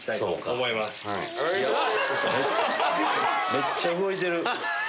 めっちゃ動いてる。